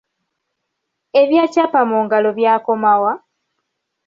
Ebya Kyapa Mu Ngalo byakoma wa?